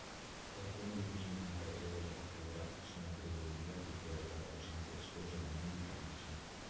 Alcuni dipinti di pregevole fattura sono attribuibili al pittore quattrocentesco Giovanni di Francia.